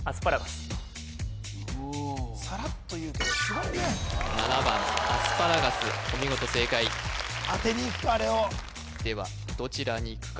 さらっと言うけどすごいね７番アスパラガスお見事正解あてにいくかあれをではどちらにいくか